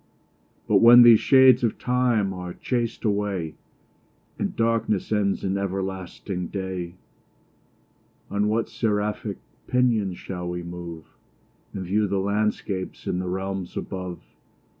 But when these shades of time are chas'd away, And darkness ends in everlasting day, On what seraphic pinions shall we move, And view the landscapes in the realms above?